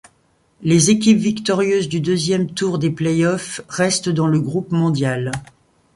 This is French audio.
Les équipes victorieuses du deuxième tour des plays-offs restent dans le groupe mondial.